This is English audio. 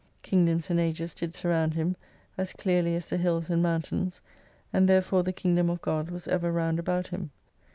Kingdoms and Ages did surround him, as clearly as the hills and mountains : and therefore the Kingdom of God was ever round about him.